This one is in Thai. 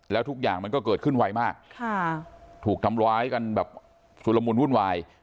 แล้วทุกอย่างมันก็เกิดขึ้นไวมากถูกทำร้ายกันแบบชุดละมุนวุ่นวาย